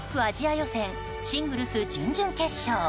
予選シングルス準々決勝。